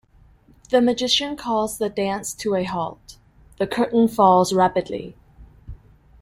The Magician calls the dance to a halt; the curtain falls rapidly.